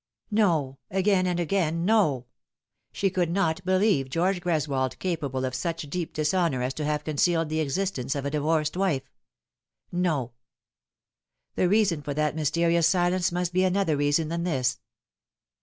No ; again and again, no. She could not believe George Greswold capable of such deep dishonour as to have concealed the existence of a divorced wile. No ; the reason for that mys terious silence must be another reason than this.